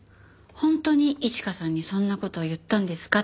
本当に一花さんにそんな事を言ったんですか？